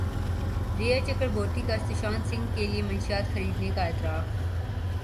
ریا چکربورتی کا سشانت سنگھ کے لیے منشیات خریدنے کا اعتراف